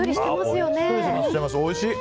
おいしい。